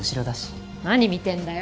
何見てんだよ！